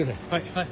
はい。